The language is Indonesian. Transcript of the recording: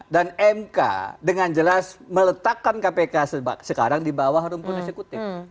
dan mk dengan jelas meletakkan kpk sekarang di bawah rumput eskutif